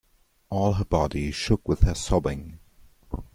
All her body shook with her sobbing.